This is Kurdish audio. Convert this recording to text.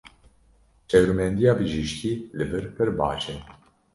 Şêwirmendiya bijîşkî li vir pir baş e.